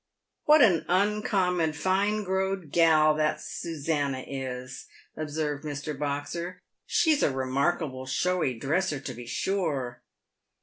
" "What a uncommon fine growed gal that Susannah is," observed Mr. Boxer. " She's a remarkable showy dresser to be sure."